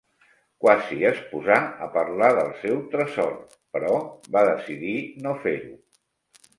Quasi es posà a parlar del seu tresor, però va decidir no fer-ho.